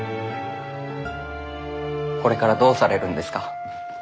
これからどうされるんですか？